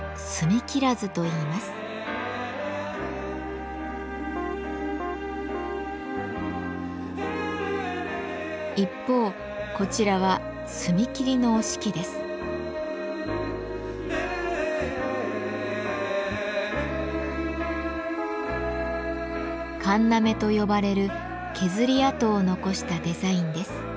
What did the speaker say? かんな目と呼ばれる削り跡を残したデザインです。